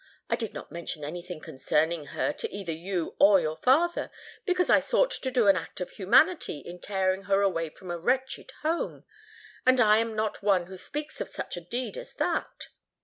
I did not mention any thing concerning her to either you or your father, because I sought to do an act of humanity in tearing her away from a wretched home; and I am not one who speaks of such a deed as that."